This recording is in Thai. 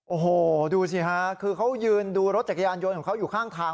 โอ้โหดูสิฮะคือเขายืนดูรถจักรยานยนต์ของเขาอยู่ข้างทาง